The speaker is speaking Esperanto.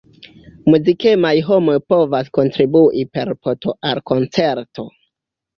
Muzikemaj homoj povas kontribui per po-to al koncerto.